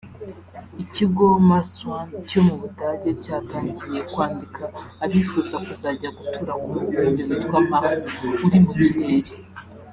Ikigo Mars One cyo mu Budage cyatangiye kwandika abifuza kuzajya gutura ku mubumbe witwa Mars uri mu kirere